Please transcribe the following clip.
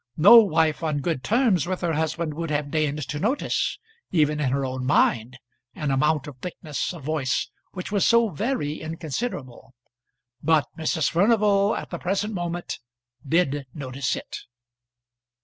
No wife on good terms with her husband would have deigned to notice, even in her own mind, an amount of thickness of voice which was so very inconsiderable. But Mrs. Furnival at the present moment did notice it.